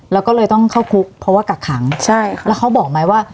แล้วก็เลยต้องเข้าคุกเพราะว่ากักขังใช่ค่ะแล้วเขาบอกไหมว่า